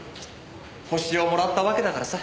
ホシをもらったわけだからさ